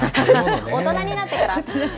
大人になってから？